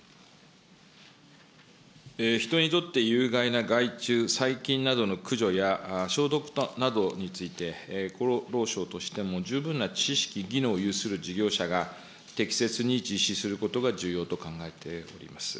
人にとって有害な害虫、細菌などの駆除や消毒などについて、厚労省としても十分な知識、技能を有する事業者が、適切に実施することが重要と考えております。